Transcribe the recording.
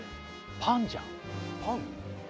パンじゃん？